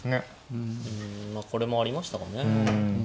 うんまあこれもありましたかね。